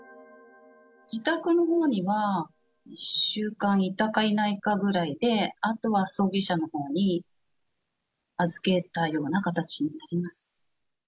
自宅のほうには１週間いたかいないかぐらいで、あとは葬儀社のほうに預けたような形になります。